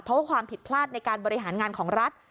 เพราะว่าความผิดพลาดในการบริหารงานของรัฐ